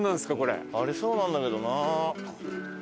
ありそうなんだけどな。